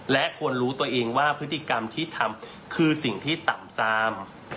และควรรู้ตัวเองว่าพฤติกรรมที่ทำคือสิ่งที่ต่ำซาม